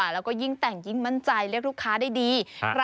แล้วก็ยิ่งแต่งยิ่งมั่นใจเรียกลูกค้าได้ดี